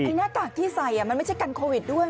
หน้ากากที่ใส่มันไม่ใช่กันโควิดด้วย